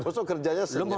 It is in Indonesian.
maksudnya kerjanya senyap